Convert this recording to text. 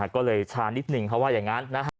ก็เลยชานิดนึงเขาว่าอย่างนั้นนะฮะ